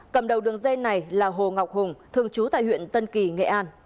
cầm đầu đường dây này là hồ ngọc hùng thường trú tại huyện tân kỳ nghệ an